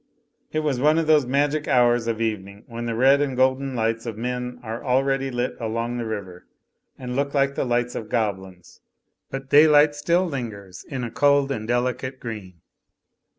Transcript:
It was one of those magic hours of evening when the red and golden lights of men are already lit along the river, and look like the lights of goblins, but daylight still lingers in a cold and delicate green.